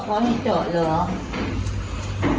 มันก็ไม่มีประโยชน์แม่ในร่างกายแม่มันมีแต่วิญญาณเต็มไปหมดเลย